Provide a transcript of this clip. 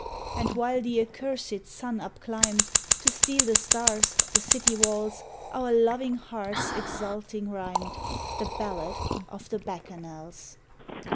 " And while the accursed sun up climbed To steal the stars, the city walls, Our loving hearts exulting rhymed The Ballad of the Bacchanals.